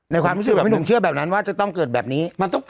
ในความรู้สึกว่าคุณครึ่งเชื่อแบบนั้นว่าจะต้องเกิดแบบนี้